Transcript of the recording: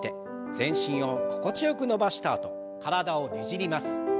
全身を心地よく伸ばしたあと体をねじります。